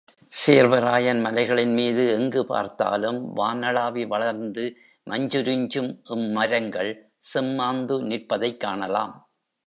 சேர்வராயன் மலைகளின்மீது எங்கு பார்த்தாலும் வானளாவி வளர்ந்து மஞ்சுரிஞ்சும் இம்மரங்கள் செம்மாந்து நிற்பதைக் காணலாம்.